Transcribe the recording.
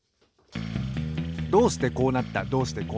どうしてこうなった？